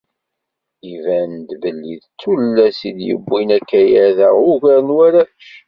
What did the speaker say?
Iban-d belli d tullas i d-yewwin akayad-a ugar n warrac.